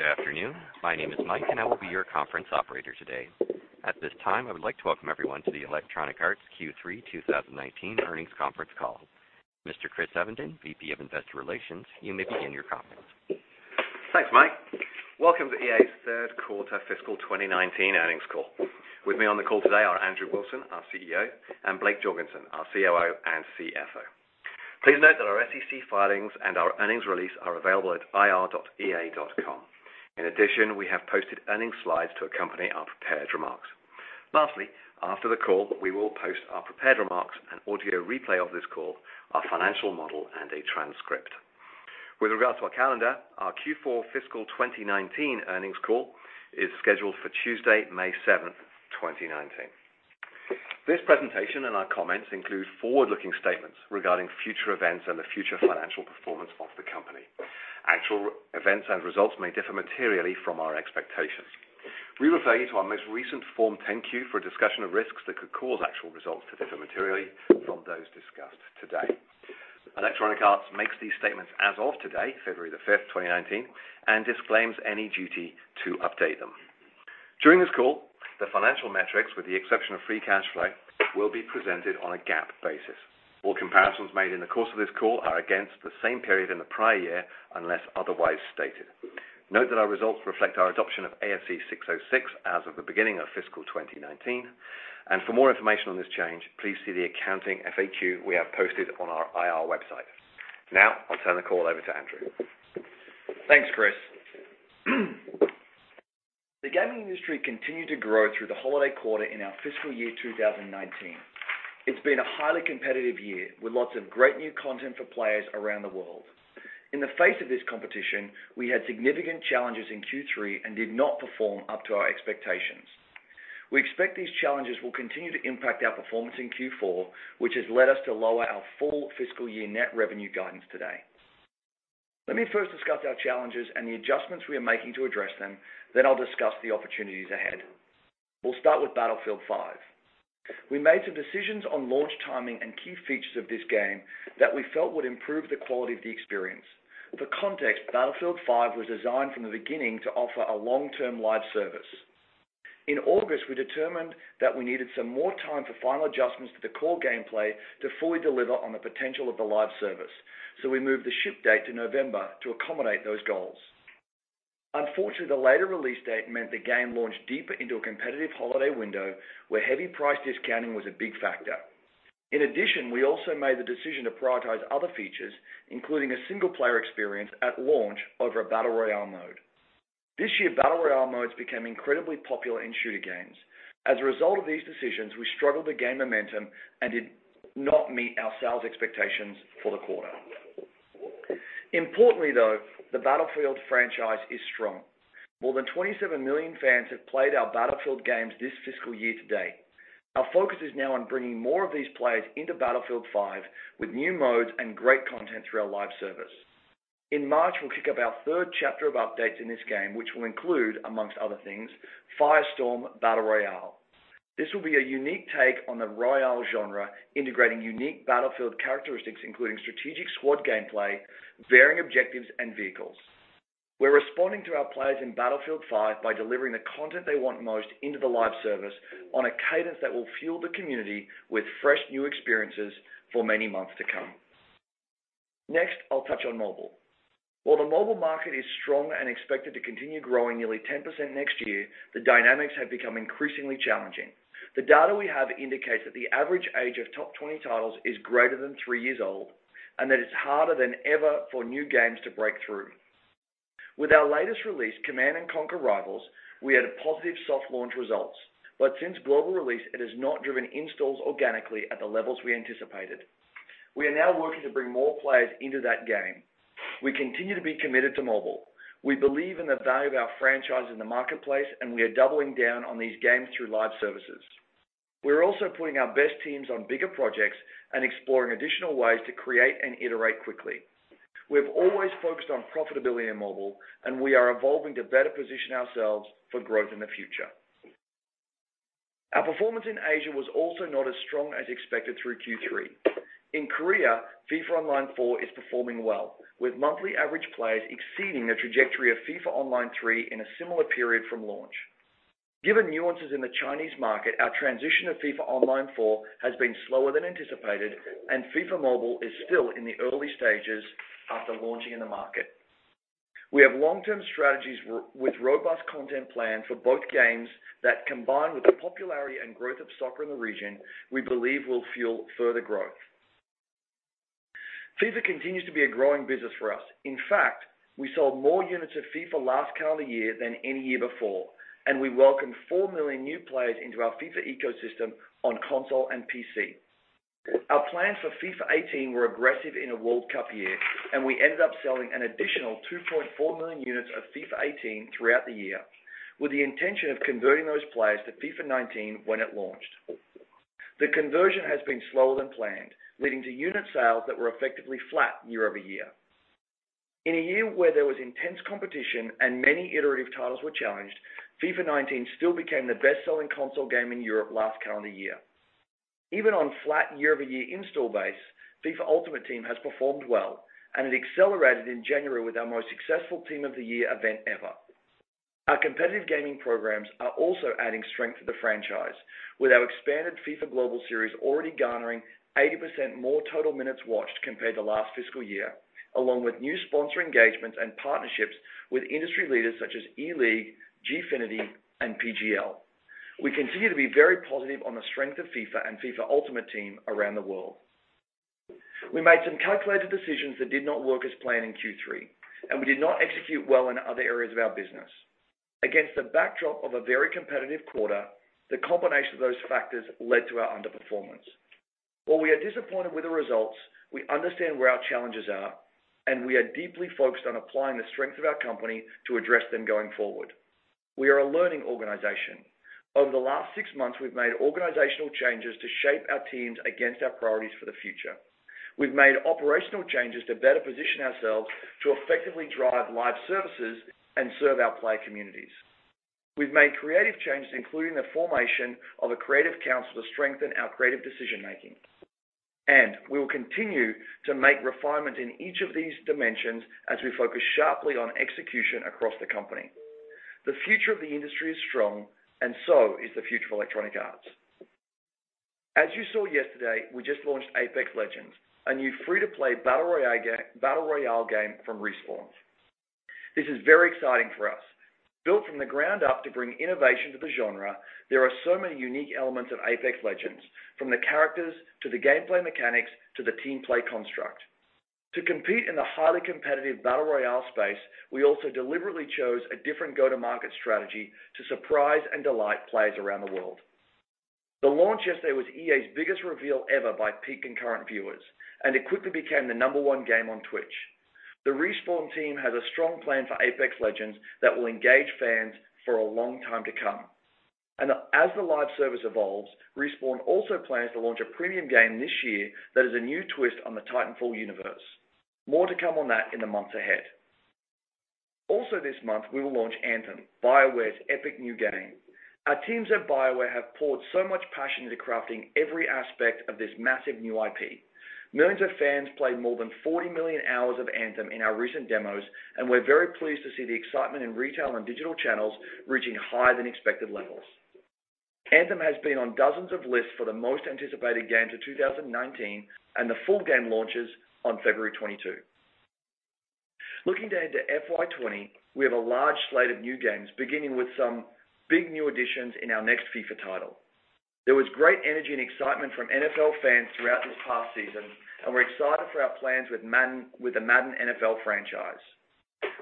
Good afternoon. My name is Mike, I will be your conference operator today. At this time, I would like to welcome everyone to the Electronic Arts Q3 2019 earnings conference call. Mr. Chris Evenden, VP of Investor Relations, you may begin your conference. Thanks, Mike. Welcome to EA's third-quarter fiscal 2019 earnings call. With me on the call today are Andrew Wilson, our CEO, and Blake Jorgensen, our COO and CFO. Please note that our SEC filings and our earnings release are available at ir.ea.com. We have posted earnings slides to accompany our prepared remarks. After the call, we will post our prepared remarks, an audio replay of this call, our financial model, and a transcript. With regards to our calendar, our Q4 fiscal 2019 earnings call is scheduled for Tuesday, May 7, 2019. This presentation and our comments include forward-looking statements regarding future events and the future financial performance of the company. Actual events and results may differ materially from our expectations. We refer you to our most recent Form 10-Q for a discussion of risks that could cause actual results to differ materially from those discussed today. Electronic Arts makes these statements as of today, February 5th, 2019, and disclaims any duty to update them. During this call, the financial metrics, with the exception of free cash flow, will be presented on a GAAP basis. All comparisons made in the course of this call are against the same period in the prior year, unless otherwise stated. Note that our results reflect our adoption of ASC 606 as of the beginning of fiscal 2019, and for more information on this change, please see the accounting FAQ we have posted on our IR website. I'll turn the call over to Andrew. Thanks, Chris. The gaming industry continued to grow through the holiday quarter in our fiscal year 2019. It's been a highly competitive year with lots of great new content for players around the world. In the face of this competition, we had significant challenges in Q3 and did not perform up to our expectations. We expect these challenges will continue to impact our performance in Q4, which has led us to lower our full fiscal year net revenue guidance today. Let me first discuss our challenges and the adjustments we are making to address them. I'll discuss the opportunities ahead. We'll start with Battlefield V. We made some decisions on launch timing and key features of this game that we felt would improve the quality of the experience. For context, Battlefield V was designed from the beginning to offer a long-term live service. In August, we determined that we needed some more time for final adjustments to the core gameplay to fully deliver on the potential of the live service. We moved the ship date to November to accommodate those goals. Unfortunately, the later release date meant the game launched deeper into a competitive holiday window where heavy price discounting was a big factor. In addition, we also made the decision to prioritize other features, including a single-player experience at launch over a battle royale mode. This year, battle royale modes became incredibly popular in shooter games. As a result of these decisions, we struggled to gain momentum and did not meet our sales expectations for the quarter. Importantly, though, the Battlefield franchise is strong. More than 27 million fans have played our Battlefield games this fiscal year to date. Our focus is now on bringing more of these players into Battlefield V with new modes and great content through our live service. In March, we'll kick up our third chapter of updates in this game, which will include, amongst other things, Firestorm Battle Royale. This will be a unique take on the royale genre, integrating unique Battlefield characteristics, including strategic squad gameplay, varying objectives, and vehicles. We're responding to our players in Battlefield V by delivering the content they want most into the live service on a cadence that will fuel the community with fresh new experiences for many months to come. Next, I'll touch on mobile. While the mobile market is strong and expected to continue growing nearly 10% next year, the dynamics have become increasingly challenging. The data we have indicates that the average age of top 20 titles is greater than three years old, and that it's harder than ever for new games to break through. With our latest release, Command & Conquer: Rivals, we had positive soft launch results. Since global release, it has not driven installs organically at the levels we anticipated. We are now working to bring more players into that game. We continue to be committed to mobile. We believe in the value of our franchise in the marketplace. We are doubling down on these games through live services. We're also putting our best teams on bigger projects and exploring additional ways to create and iterate quickly. We've always focused on profitability in mobile. We are evolving to better position ourselves for growth in the future. Our performance in Asia was also not as strong as expected through Q3. In Korea, FIFA Online 4 is performing well, with monthly average players exceeding the trajectory of FIFA Online 3 in a similar period from launch. Given nuances in the Chinese market, our transition of FIFA Online 4 has been slower than anticipated. FIFA Mobile is still in the early stages after launching in the market. We have long-term strategies with robust content plan for both games that, combined with the popularity and growth of soccer in the region, we believe will fuel further growth. FIFA continues to be a growing business for us. In fact, we sold more units of FIFA last calendar year than any year before. We welcomed 4 million new players into our FIFA ecosystem on console and PC. Our plans for FIFA 18 were aggressive in a World Cup year, and we ended up selling an additional 2.4 million units of FIFA 18 throughout the year, with the intention of converting those players to FIFA 19 when it launched. The conversion has been slower than planned, leading to unit sales that were effectively flat year-over-year. In a year where there was intense competition and many iterative titles were challenged, FIFA 19 still became the best-selling console game in Europe last calendar year. Even on flat year-over-year install base, FIFA Ultimate Team has performed well, and it accelerated in January with our most successful Team of the Year event ever. Our competitive gaming programs are also adding strength to the franchise, with our expanded FIFA Global Series already garnering 80% more total minutes watched compared to last fiscal year, along with new sponsor engagements and partnerships with industry leaders such as ELEAGUE, Gfinity, and PGL. We continue to be very positive on the strength of FIFA and FIFA Ultimate Team around the world. We made some calculated decisions that did not work as planned in Q3, and we did not execute well in other areas of our business. Against the backdrop of a very competitive quarter, the combination of those factors led to our underperformance. While we are disappointed with the results, we understand where our challenges are, and we are deeply focused on applying the strength of our company to address them going forward. We are a learning organization. Over the last six months, we've made organizational changes to shape our teams against our priorities for the future. We've made operational changes to better position ourselves to effectively drive live services and serve our player communities. We've made creative changes, including the formation of a creative council to strengthen our creative decision-making. We will continue to make refinements in each of these dimensions as we focus sharply on execution across the company. The future of the industry is strong, and so is the future of Electronic Arts. As you saw yesterday, we just launched Apex Legends, a new free-to-play battle royale game from Respawn. This is very exciting for us. Built from the ground up to bring innovation to the genre, there are so many unique elements of Apex Legends, from the characters to the gameplay mechanics, to the team play construct. To compete in the highly competitive battle royale space, we also deliberately chose a different go-to-market strategy to surprise and delight players around the world. The launch yesterday was EA's biggest reveal ever by peak concurrent viewers, and it quickly became the number one game on Twitch. The Respawn team has a strong plan for Apex Legends that will engage fans for a long time to come. As the live service evolves, Respawn also plans to launch a premium game this year that is a new twist on the Titanfall universe. More to come on that in the months ahead. Also this month, we will launch Anthem, BioWare's epic new game. Our teams at BioWare have poured so much passion into crafting every aspect of this massive new IP. Millions of fans played more than 40 million hours of Anthem in our recent demos. We're very pleased to see the excitement in retail and digital channels reaching higher than expected levels. Anthem has been on dozens of lists for the most anticipated game to 2019. The full game launches on February 22. Looking ahead to FY 2020, we have a large slate of new games, beginning with some big new additions in our next FIFA title. There was great energy and excitement from NFL fans throughout this past season. We're excited for our plans with the Madden NFL franchise.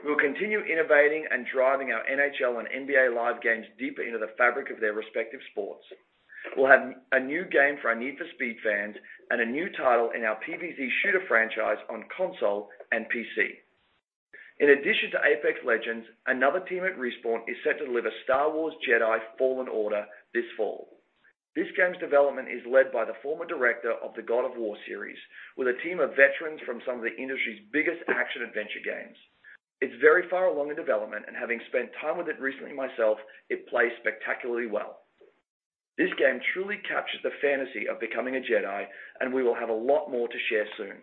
We will continue innovating and driving our NHL and NBA Live games deeper into the fabric of their respective sports. We'll have a new game for our Need for Speed fans and a new title in our PvZ Shooter franchise on console and PC. In addition to Apex Legends, another team at Respawn is set to deliver Star Wars Jedi: Fallen Order this fall. This game's development is led by the former director of the God of War series, with a team of veterans from some of the industry's biggest action-adventure games. It's very far along in development. Having spent time with it recently myself, it plays spectacularly well. This game truly captures the fantasy of becoming a Jedi. We will have a lot more to share soon.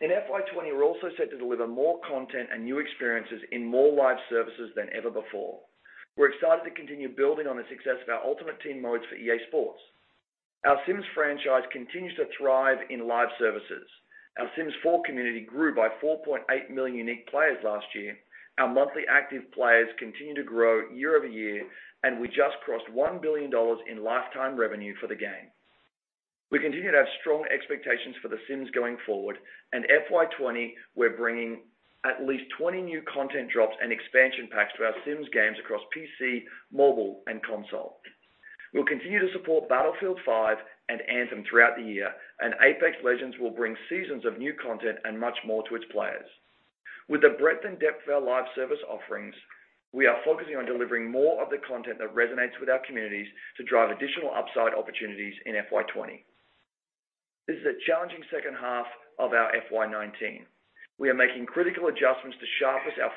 In FY 2020, we're also set to deliver more content and new experiences in more live services than ever before. We're excited to continue building on the success of our Ultimate Team modes for EA Sports. Our Sims franchise continues to thrive in live services. Our Sims 4 community grew by 4.8 million unique players last year. Our monthly active players continue to grow year-over-year. We just crossed $1 billion in lifetime revenue for the game. We continue to have strong expectations for The Sims going forward. In FY 2020, we're bringing at least 20 new content drops and expansion packs to our Sims games across PC, mobile, and console. We'll continue to support Battlefield V and Anthem throughout the year. Apex Legends will bring seasons of new content and much more to its players. With the breadth and depth of our live service offerings, we are focusing on delivering more of the content that resonates with our communities to drive additional upside opportunities in FY 2020. This is a challenging second half of our FY 2019. We are making critical adjustments to sharpen our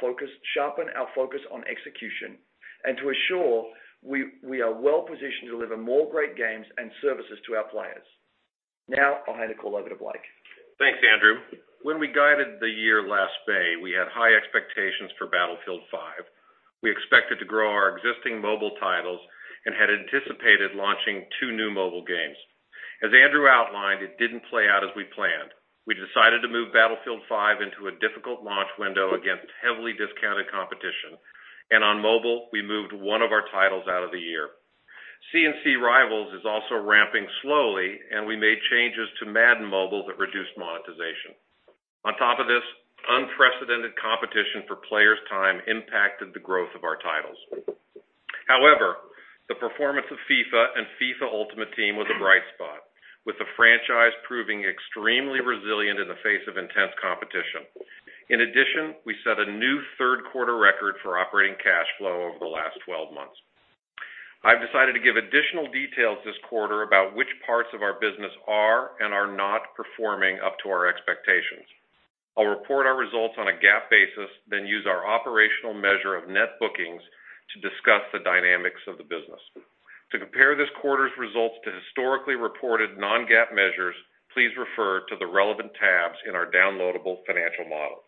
focus on execution and to assure we are well-positioned to deliver more great games and services to our players. Now I'll hand the call over to Blake. Thanks, Andrew. When we guided the year last May, we had high expectations for Battlefield V. We expected to grow our existing mobile titles and had anticipated launching two new mobile games. As Andrew outlined, it didn't play out as we planned. We decided to move Battlefield V into a difficult launch window against heavily discounted competition. On mobile, we moved one of our titles out of the year. C&C Rivals is also ramping slowly, and we made changes to Madden Mobile that reduced monetization. On top of this, unprecedented competition for players' time impacted the growth of our titles. However, the performance of FIFA and FIFA Ultimate Team was a bright spot, with the franchise proving extremely resilient in the face of intense competition. In addition, we set a new third quarter record for operating cash flow over the last 12 months. I've decided to give additional details this quarter about which parts of our business are and are not performing up to our expectations. I'll report our results on a GAAP basis, then use our operational measure of net bookings to discuss the dynamics of the business. To compare this quarter's results to historically reported non-GAAP measures, please refer to the relevant tabs in our downloadable financial model.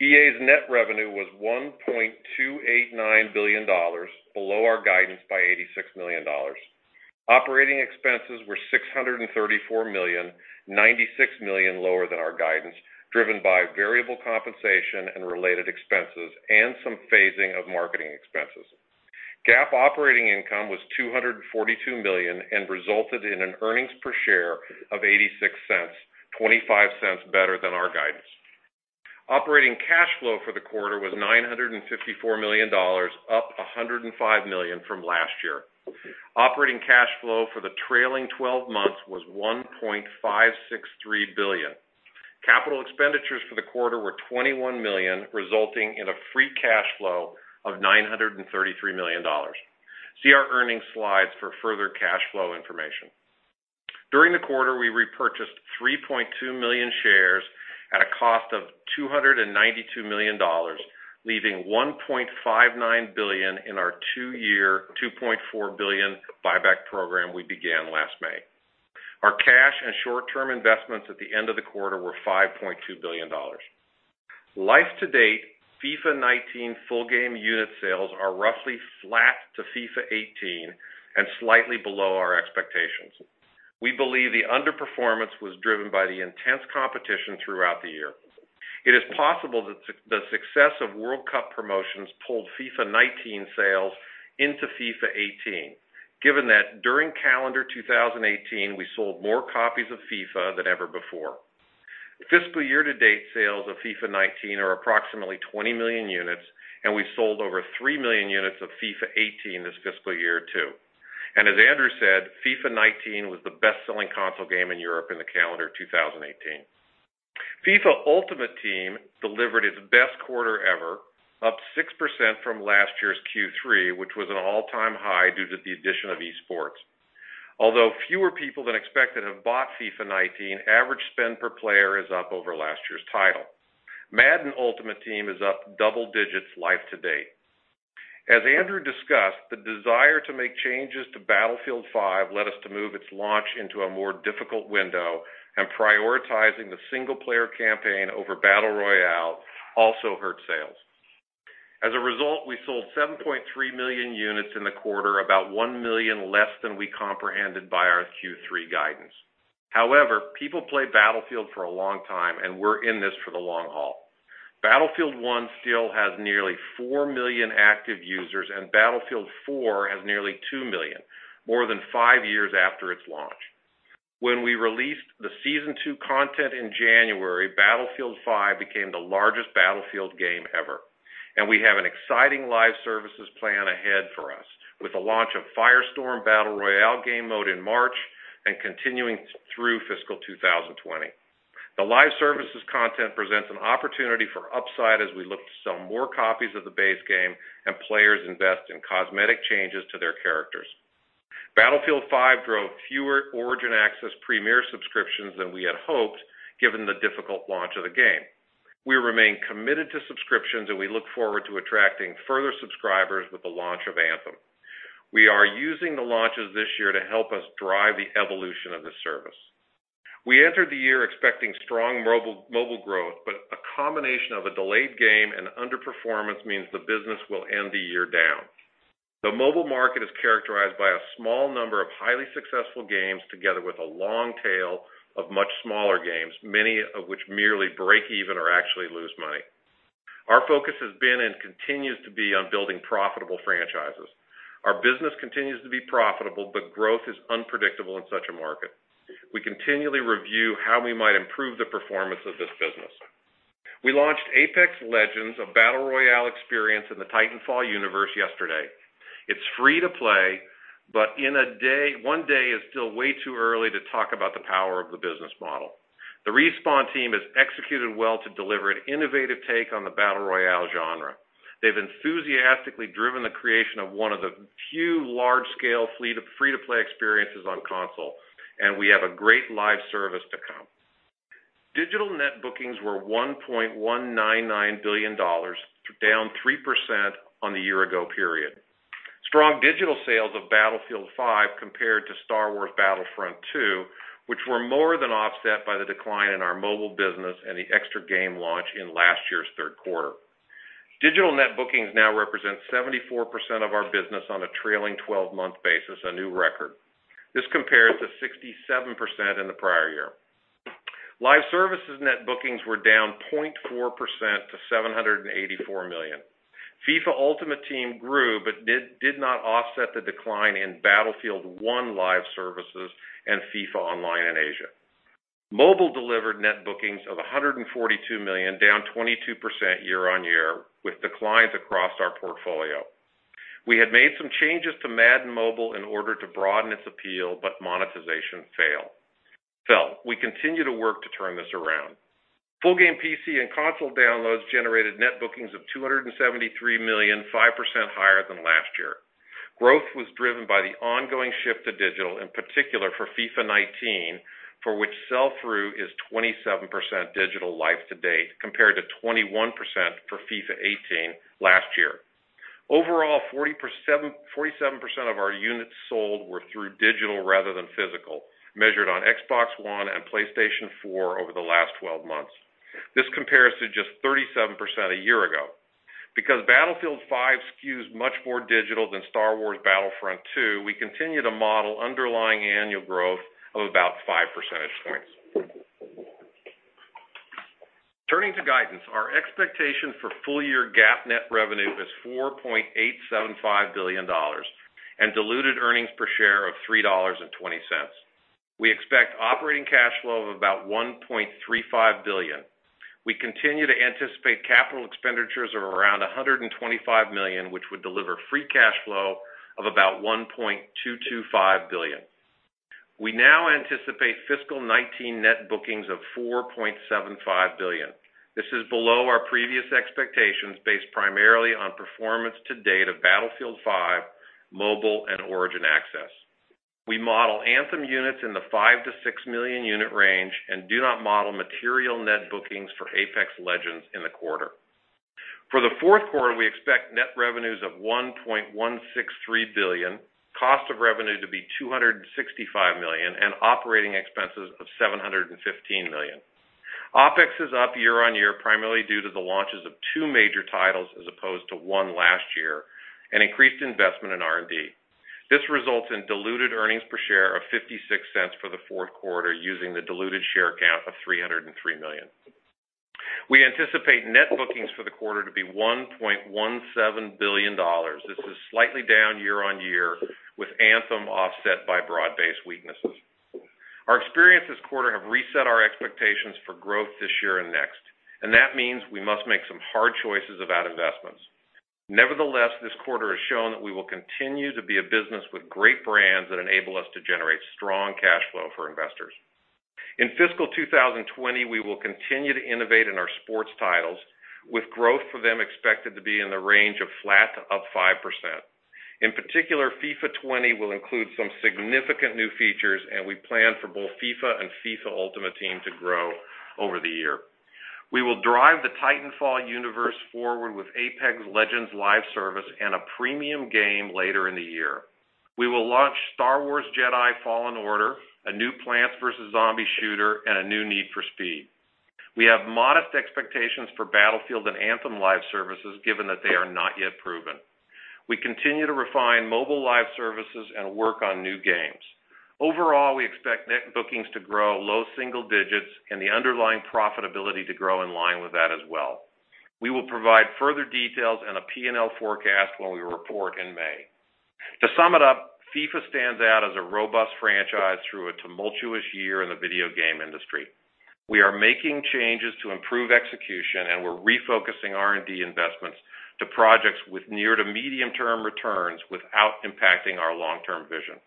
EA's net revenue was $1.289 billion, below our guidance by $86 million. Operating expenses were $634 million, $96 million lower than our guidance, driven by variable compensation and related expenses, and some phasing of marketing expenses. GAAP operating income was $242 million and resulted in an earnings per share of $0.86, $0.25 better than our guidance. Operating cash flow for the quarter was $954 million, up $105 million from last year. Operating cash flow for the trailing 12 months was $1.563 billion. Capital expenditures for the quarter were $21 million, resulting in a free cash flow of $933 million. See our earnings slides for further cash flow information. During the quarter, we repurchased 3.2 million shares at a cost of $292 million, leaving $1.59 billion in our two-year, $2.4 billion buyback program we began last May. Our cash and short-term investments at the end of the quarter were $5.2 billion. Life to date, FIFA 19 full game unit sales are roughly flat to FIFA 18, and slightly below our expectations. We believe the underperformance was driven by the intense competition throughout the year. It is possible that the success of World Cup promotions pulled FIFA 19 sales into FIFA 18. Given that during calendar 2018, we sold more copies of FIFA than ever before. Fiscal year to date sales of FIFA 19 are approximately 20 million units, and we sold over 3 million units of FIFA 18 this fiscal year too. As Andrew said, FIFA 19 was the best-selling console game in Europe in the calendar 2018. FIFA Ultimate Team delivered its best quarter ever, up 6% from last year's Q3, which was an all-time high due to the addition of esports. Although fewer people than expected have bought FIFA 19, average spend per player is up over last year's title. Madden Ultimate Team is up double digits life to date. As Andrew discussed, the desire to make changes to Battlefield V led us to move its launch into a more difficult window, and prioritizing the single player campaign over battle royale also hurt sales. As a result, we sold 7.3 million units in the quarter, about one million less than we comprehended by our Q3 guidance. However, people play Battlefield for a long time, and we're in this for the long haul. Battlefield 1 still has nearly four million active users, and Battlefield 4 has nearly two million, more than five years after its launch. When we released the Season 2 content in January, Battlefield V became the largest Battlefield game ever. We have an exciting live services plan ahead for us, with the launch of Firestorm Battle Royale game mode in March, and continuing through fiscal 2020. The live services content presents an opportunity for upside as we look to sell more copies of the base game and players invest in cosmetic changes to their characters. Battlefield V drove fewer Origin Access Premier subscriptions than we had hoped, given the difficult launch of the game. We remain committed to subscriptions, and we look forward to attracting further subscribers with the launch of Anthem. We are using the launches this year to help us drive the evolution of the service. We entered the year expecting strong mobile growth, but a combination of a delayed game and underperformance means the business will end the year down. The mobile market is characterized by a small number of highly successful games, together with a long tail of much smaller games, many of which merely break even or actually lose money. Our focus has been, and continues to be, on building profitable franchises. Our business continues to be profitable, but growth is unpredictable in such a market. We continually review how we might improve the performance of this business. We launched Apex Legends, a battle royale experience in the Titanfall universe, yesterday. It's free to play, but one day is still way too early to talk about the power of the business model. The Respawn team has executed well to deliver an innovative take on the battle royale genre. They've enthusiastically driven the creation of one of the few large-scale free-to-play experiences on console, and we have a great live service to come. Digital net bookings were $1.199 billion, down 3% on the year ago period. Strong digital sales of Battlefield V compared to Star Wars Battlefront II, which were more than offset by the decline in our mobile business and the extra game launch in last year's third quarter. Digital net bookings now represent 74% of our business on a trailing 12-month basis, a new record. This compares to 67% in the prior year. Live services net bookings were down 0.4% to $784 million. FIFA Ultimate Team grew, but did not offset the decline in Battlefield 1 live services and FIFA Online in Asia. Mobile delivered net bookings of $142 million, down 22% year-over-year, with declines across our portfolio. We had made some changes to Madden Mobile in order to broaden its appeal, but monetization fell. We continue to work to turn this around. Full game PC and console downloads generated net bookings of $273 million, 5% higher than last year. Growth was driven by the ongoing shift to digital, in particular for "FIFA 19," for which sell-through is 27% digital life to date, compared to 21% for "FIFA 18" last year. Overall, 47% of our units sold were through digital rather than physical, measured on Xbox One and PlayStation 4 over the last 12 months. This compares to just 37% a year ago. Because Battlefield V skews much more digital than Star Wars Battlefront II, we continue to model underlying annual growth of about 5 percentage points. Turning to guidance, our expectation for full-year GAAP net revenue is $4.875 billion and diluted earnings per share of $3.20. We expect operating cash flow of about $1.35 billion. We continue to anticipate capital expenditures of around $125 million, which would deliver free cash flow of about $1.225 billion. We now anticipate fiscal 2019 net bookings of $4.75 billion. This is below our previous expectations, based primarily on performance to date of Battlefield V, mobile, and Origin Access. We model Anthem units in the 5 million-6 million unit range and do not model material net bookings for Apex Legends in the quarter. For the fourth quarter, we expect net revenues of $1.163 billion, cost of revenue to be $265 million, and operating expenses of $715 million. OpEx is up year-on-year, primarily due to the launches of two major titles as opposed to one last year and increased investment in R&D. This results in diluted earnings per share of $0.56 for the fourth quarter, using the diluted share count of 303 million. We anticipate net bookings for the quarter to be $1.17 billion. This is slightly down year-on-year with Anthem offset by broad-based weaknesses. Our experience this quarter have reset our expectations for growth this year and next, and that means we must make some hard choices about investments. Nevertheless, this quarter has shown that we will continue to be a business with great brands that enable us to generate strong cash flow for investors. In fiscal 2020, we will continue to innovate in our sports titles, with growth for them expected to be in the range of flat to up 5%. In particular, FIFA 20 will include some significant new features, and we plan for both FIFA and FIFA Ultimate Team to grow over the year. We will drive the Titanfall universe forward with Apex Legends live service and a premium game later in the year. We will launch Star Wars Jedi: Fallen Order, a new Plants vs. Zombies shooter, and a new Need for Speed. We have modest expectations for Battlefield and Anthem live services, given that they are not yet proven. We continue to refine mobile live services and work on new games. Overall, we expect net bookings to grow low single digits and the underlying profitability to grow in line with that as well. We will provide further details and a P&L forecast when we report in May. To sum it up, FIFA stands out as a robust franchise through a tumultuous year in the video game industry. We are making changes to improve execution, and we're refocusing R&D investments to projects with near to medium-term returns without impacting our long-term vision.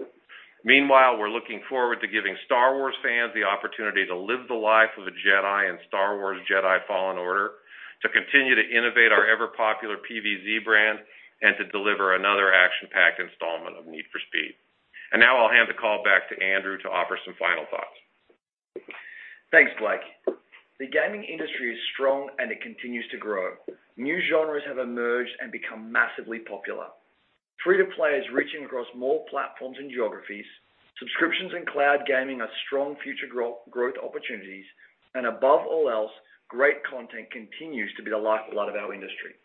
Meanwhile, we're looking forward to giving Star Wars fans the opportunity to live the life of a Jedi in Star Wars Jedi: Fallen Order, to continue to innovate our ever-popular PvZ brand, and to deliver another action-packed installment of Need for Speed. Now I'll hand the call back to Andrew to offer some final thoughts. Thanks, Blake. The gaming industry is strong, it continues to grow. New genres have emerged and become massively popular. Free-to-play is reaching across more platforms and geographies. Subscriptions and cloud gaming are strong future growth opportunities. Above all else, great content continues to be the lifeblood of our industry.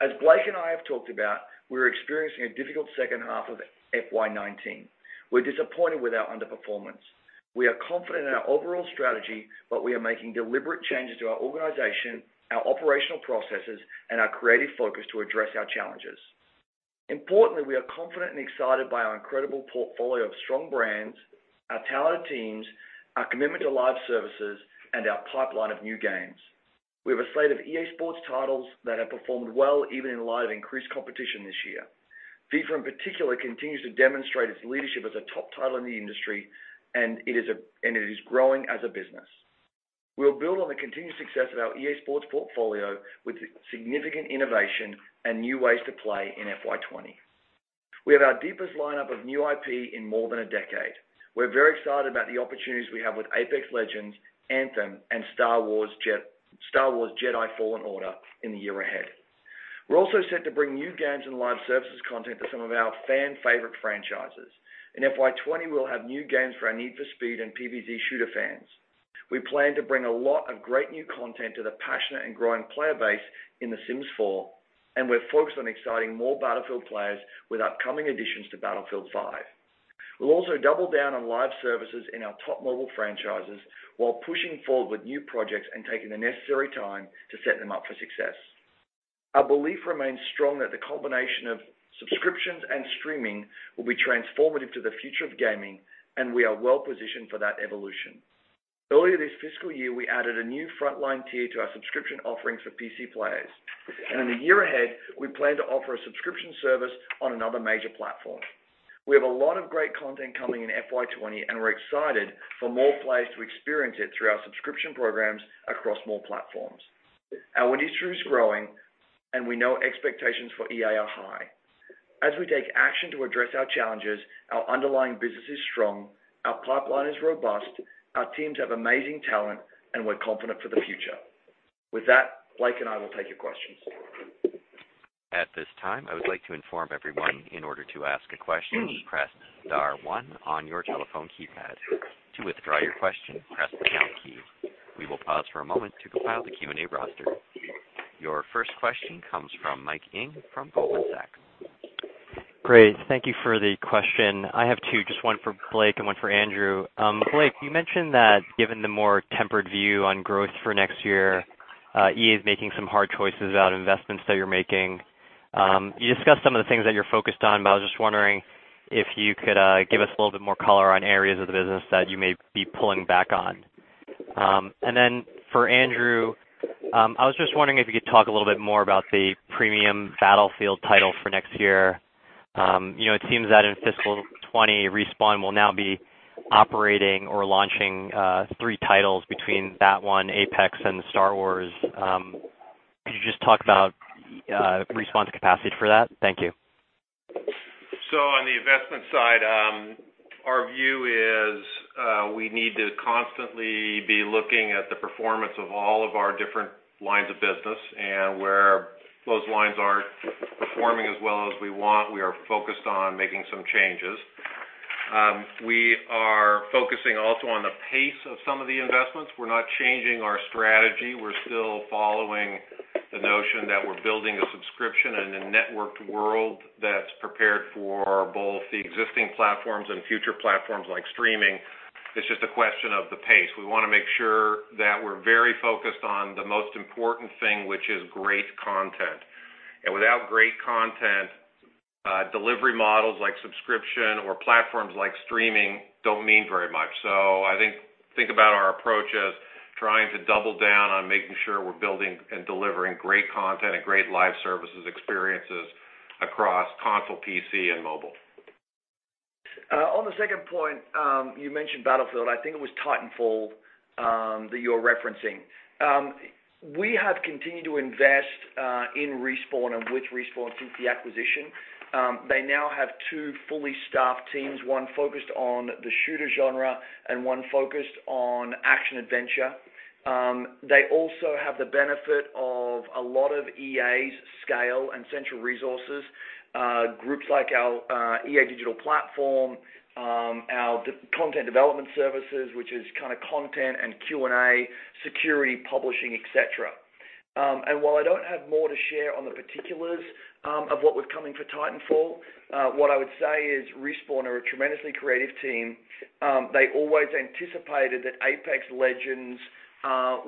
As Blake and I have talked about, we're experiencing a difficult second half of FY 2019. We're disappointed with our underperformance. We are confident in our overall strategy, we are making deliberate changes to our organization, our operational processes, and our creative focus to address our challenges. Importantly, we are confident and excited by our incredible portfolio of strong brands, our talented teams, our commitment to live services, and our pipeline of new games. We have a slate of EA Sports titles that have performed well, even in light of increased competition this year. FIFA in particular, continues to demonstrate its leadership as a top title in the industry, it is growing as a business. We'll build on the continued success of our EA Sports portfolio with significant innovation and new ways to play in FY 2020. We have our deepest lineup of new IP in more than a decade. We're very excited about the opportunities we have with Apex Legends, Anthem, and Star Wars Jedi: Fallen Order in the year ahead. We're also set to bring new games and live services content to some of our fan favorite franchises. In FY 2020, we'll have new games for our Need for Speed and PvZ Shooter fans. We plan to bring a lot of great new content to the passionate and growing player base in The Sims 4, we're focused on exciting more Battlefield players with upcoming additions to Battlefield V. We'll also double down on live services in our top mobile franchises while pushing forward with new projects and taking the necessary time to set them up for success. Our belief remains strong that the combination of subscriptions and streaming will be transformative to the future of gaming, we are well positioned for that evolution. Earlier this fiscal year, we added a new frontline tier to our subscription offerings for PC players. In the year ahead, we plan to offer a subscription service on another major platform. We have a lot of great content coming in FY 2020, we're excited for more players to experience it through our subscription programs across more platforms. Our industry is growing, we know expectations for EA are high. As we take action to address our challenges, our underlying business is strong, our pipeline is robust, our teams have amazing talent, we're confident for the future. With that, Blake and I will take your questions. At this time, I would like to inform everyone, in order to ask a question, press star one on your telephone keypad. To withdraw your question, press the pound key. We will pause for a moment to compile the QA roster. Your first question comes from Mike Ng from Goldman Sachs. Great. Thank you for the question. I have two, just one for Blake and one for Andrew. Blake, you mentioned that given the more tempered view on growth for next year, EA's making some hard choices about investments that you're making. You discussed some of the things that you're focused on, but I was just wondering if you could give us a little bit more color on areas of the business that you may be pulling back on. For Andrew, I was just wondering if you could talk a little bit more about the premium Battlefield title for next year. It seems that in fiscal 2020, Respawn will now be operating or launching three titles Battlefield 1, Apex and Star Wars. Could you just talk about Respawn's capacity for that? Thank you. On the investment side, our view is, we need to constantly be looking at the performance of all of our different lines of business. Where those lines aren't performing as well as we want, we are focused on making some changes. We are focusing also on the pace of some of the investments. We're not changing our strategy. We're still following the notion that we're building a subscription in a networked world that's prepared for both the existing platforms and future platforms like streaming. It's just a question of the pace. We want to make sure that we're very focused on the most important thing, which is great content. Without great content, delivery models like subscription or platforms like streaming don't mean very much. I think about our approach as trying to double down on making sure we're building and delivering great content and great live services experiences across console, PC, and mobile. On the second point, you mentioned Battlefield. I think it was Titanfall that you're referencing. We have continued to invest in Respawn and with Respawn since the acquisition. They now have two fully staffed teams, one focused on the shooter genre and one focused on action-adventure. They also have the benefit of a lot of EA's scale and central resources, groups like our EA Digital Platform, our content development services, which is kind of content and QA, security, publishing, et cetera. While I don't have more to share on the particulars of what was coming for Titanfall, what I would say is Respawn are a tremendously creative team. They always anticipated that Apex Legends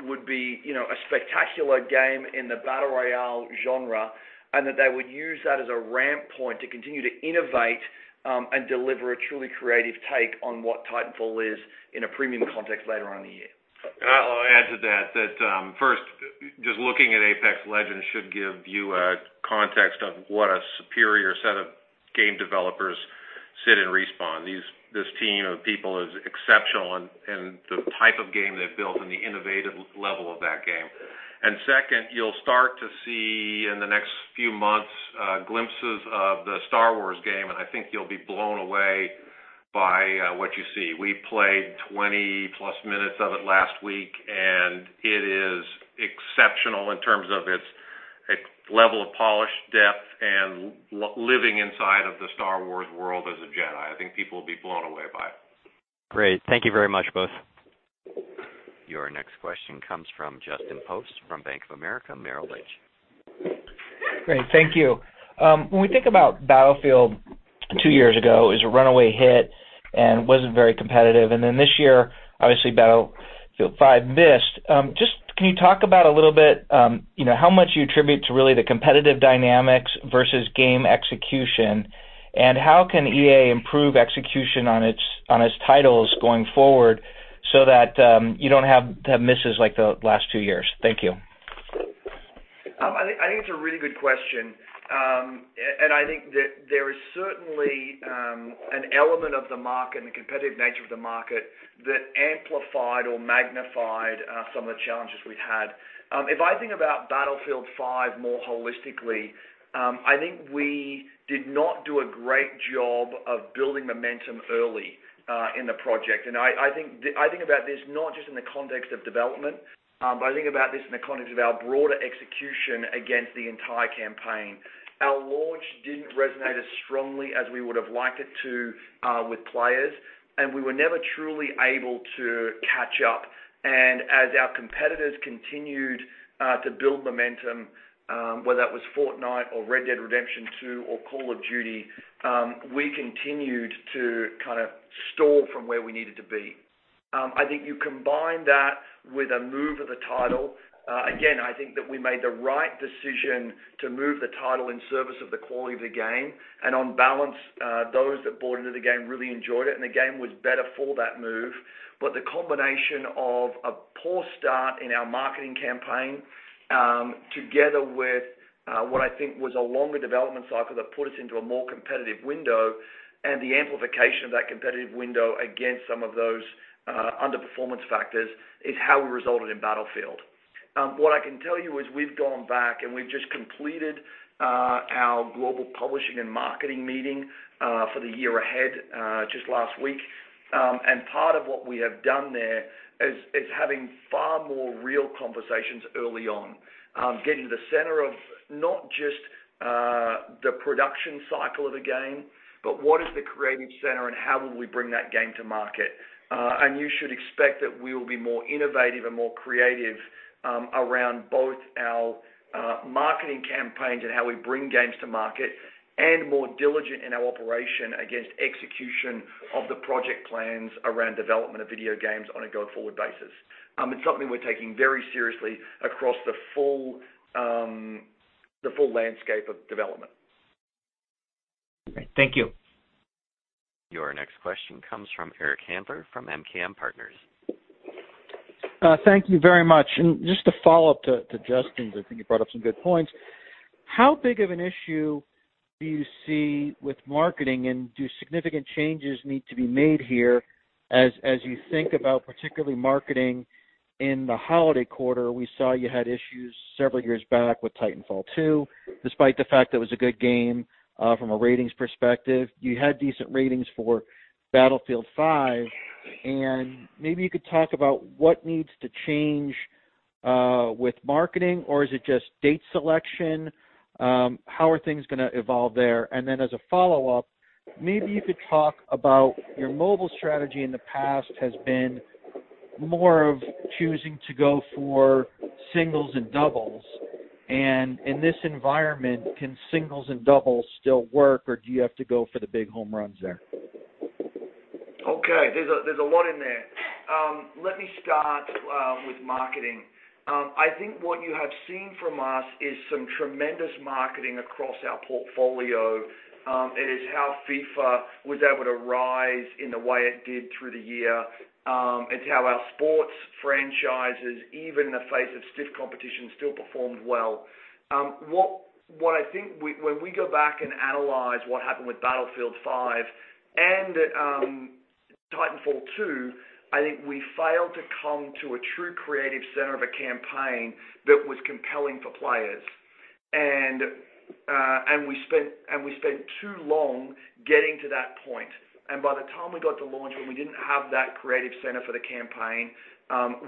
would be a spectacular game in the battle royale genre, and that they would use that as a ramp point to continue to innovate, and deliver a truly creative take on what Titanfall is in a premium context later on in the year. I'll add to that, first, just looking at Apex Legends should give you a context of what a superior set of game developers sit in Respawn. This team of people is exceptional in the type of game they've built and the innovative level of that game. Second, you'll start to see in the next few months glimpses of the Star Wars game, and I think you'll be blown away by what you see. We played 20-plus minutes of it last week, and it is exceptional in terms of its level of polish, depth, and living inside of the Star Wars world as a Jedi. I think people will be blown away by it. Great. Thank you very much, both. Your next question comes from Justin Post from Bank of America Merrill Lynch. Great. Thank you. When we think about Battlefield two years ago, it was a runaway hit and wasn't very competitive. Then this year, obviously Battlefield V missed. Just can you talk about a little bit how much you attribute to really the competitive dynamics versus game execution? How can EA improve execution on its titles going forward so that you don't have misses like the last two years? Thank you. I think it's a really good question. I think that there is certainly an element of the market and the competitive nature of the market that amplified or magnified some of the challenges we've had. If I think about Battlefield V more holistically, I think we did not do a great job of building momentum early in the project. I think about this not just in the context of development, but I think about this in the context of our broader execution against the entire campaign. Our launch didn't resonate as strongly as we would have liked it to with players. We were never truly able to catch up. As our competitors continued to build momentum, whether that was Fortnite or Red Dead Redemption 2 or Call of Duty, we continued to kind of stall from where we needed to be. I think you combine that with a move of the title. Again, I think that we made the right decision to move the title in service of the quality of the game. On balance, those that bought into the game really enjoyed it. The game was better for that move. The combination of a poor start in our marketing campaign, together with what I think was a longer development cycle that put us into a more competitive window, the amplification of that competitive window against some of those underperformance factors, is how we resulted in Battlefield. What I can tell you is we've gone back. We've just completed our global publishing and marketing meeting for the year ahead just last week. Part of what we have done there is having far more real conversations early on. Getting to the center of not just the production cycle of a game, but what is the creative center and how will we bring that game to market. You should expect that we will be more innovative and more creative around both our marketing campaigns and how we bring games to market, and more diligent in our operation against execution of the project plans around development of video games on a go-forward basis. It's something we're taking very seriously across the full landscape of development. Great. Thank you. Your next question comes from Eric Handler from MKM Partners. Thank you very much. Just to follow up to Justin, because I think you brought up some good points. How big of an issue do you see with marketing, and do significant changes need to be made here as you think about particularly marketing in the holiday quarter? We saw you had issues several years back with Titanfall 2. Despite the fact that it was a good game from a ratings perspective, you had decent ratings for Battlefield V. Maybe you could talk about what needs to change with marketing, or is it just date selection? How are things going to evolve there? Then as a follow-up, maybe you could talk about your mobile strategy in the past has been more of choosing to go for singles and doubles. In this environment, can singles and doubles still work, or do you have to go for the big home runs there? Okay. There's a lot in there. Let me start with marketing. I think what you have seen from us is some tremendous marketing across our portfolio. It is how FIFA was able to rise in the way it did through the year. It's how our sports franchises, even in the face of stiff competition, still performed well. When we go back and analyze what happened with Battlefield V and Titanfall 2, I think we failed to come to a true creative center of a campaign that was compelling for players. We spent too long getting to that point. By the time we got to launch, when we didn't have that creative center for the campaign,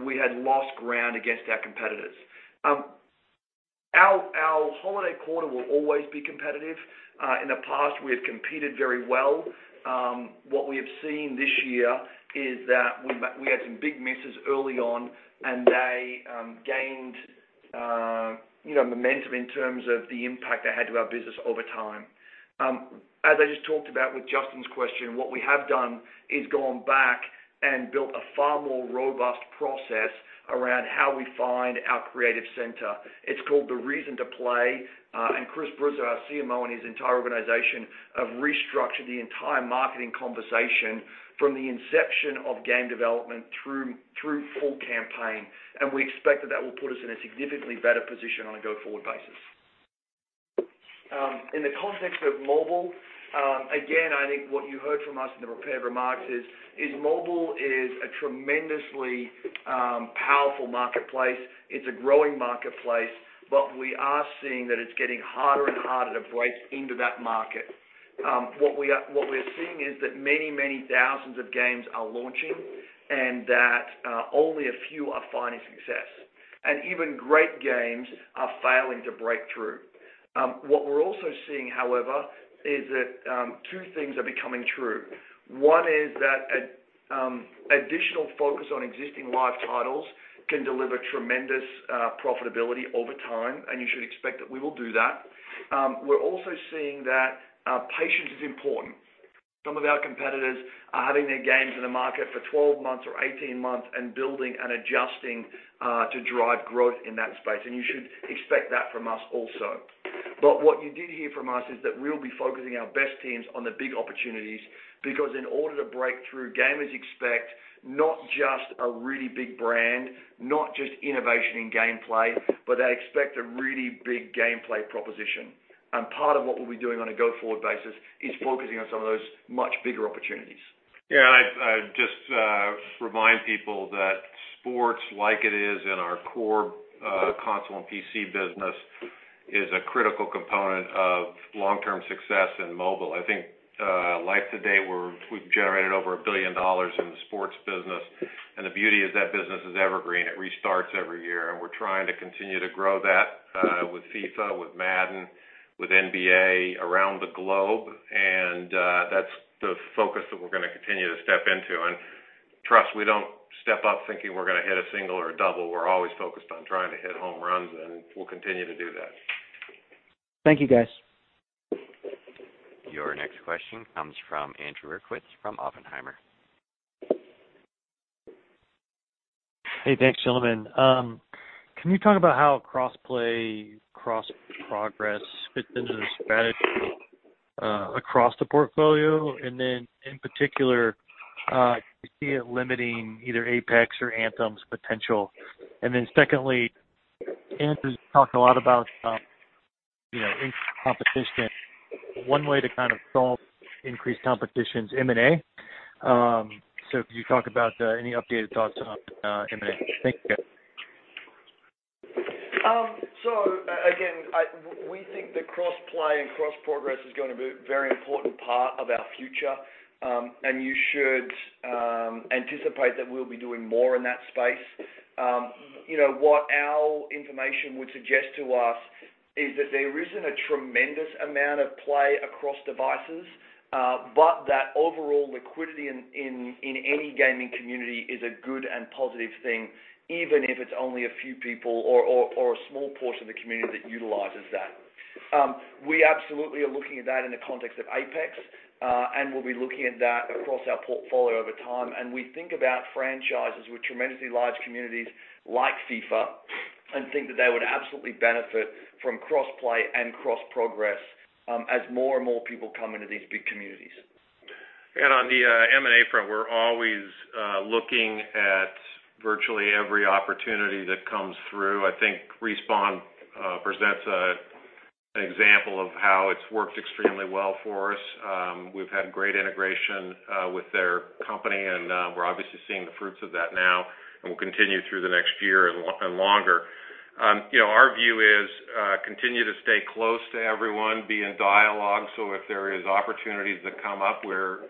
we had lost ground against our competitors. Our holiday quarter will always be competitive. In the past, we have competed very well. What we have seen this year is that we had some big misses early on, and they gained momentum in terms of the impact they had to our business over time. As I just talked about with Justin's question, what we have done is gone back and built a far more robust process around how we find our creative center. It's called the Reason to Play. Chris Bruzzo, our CMO, and his entire organization have restructured the entire marketing conversation from the inception of game development through full campaign. We expect that that will put us in a significantly better position on a go-forward basis. In the context of mobile, again, I think what you heard from us in the prepared remarks is mobile is a tremendously powerful marketplace. It's a growing marketplace, we are seeing that it's getting harder and harder to break into that market. What we're seeing is that many, many thousands of games are launching and that only a few are finding success. Even great games are failing to break through. What we're also seeing, however, is that two things are becoming true. One is that additional focus on existing live titles can deliver tremendous profitability over time, and you should expect that we will do that. We're also seeing that patience is important. Some of our competitors are having their games in the market for 12 months or 18 months and building and adjusting to drive growth in that space. You should expect that from us also. What you did hear from us is that we'll be focusing our best teams on the big opportunities, because in order to break through, gamers expect not just a really big brand, not just innovation in gameplay, but they expect a really big gameplay proposition. Part of what we'll be doing on a go-forward basis is focusing on some of those much bigger opportunities. Yeah, I'd just remind people that sports, like it is in our core console and PC business, is a critical component of long-term success in mobile. I think life to date, we've generated over $1 billion in the sports business, and the beauty is that business is evergreen. It restarts every year, and we're trying to continue to grow that with FIFA, with Madden, with NBA around the globe. That's the focus that we're going to continue to step into. Trust, we don't step up thinking we're going to hit a single or a double. We're always focused on trying to hit home runs, and we'll continue to do that. Thank you, guys. Your next question comes from Andrew Uerkwitz from Oppenheimer. Hey, thanks gentlemen. Can you talk about how cross-play, cross-progress fits into the strategy across the portfolio? In particular, do you see it limiting either Apex or Anthem's potential? Secondly, Anthem's talked a lot about increased competition. One way to kind of solve increased competition is M&A. Could you talk about any updated thoughts on M&A? Thank you. Again, we think that cross-play and cross-progress is going to be a very important part of our future. You should anticipate that we'll be doing more in that space. What our information would suggest to us is that there isn't a tremendous amount of play across devices, but that overall liquidity in any gaming community is a good and positive thing, even if it's only a few people or a small portion of the community that utilizes that. We absolutely are looking at that in the context of Apex, and we'll be looking at that across our portfolio over time. We think about franchises with tremendously large communities like FIFA, and think that they would absolutely benefit from cross-play and cross-progress as more and more people come into these big communities. On the M&A front, we're always looking at virtually every opportunity that comes through. I think Respawn presents an example of how it's worked extremely well for us. We've had great integration with their company, and we're obviously seeing the fruits of that now, and will continue through the next year and longer. Our view is continue to stay close to everyone, be in dialogue. If there is opportunities that come up, we're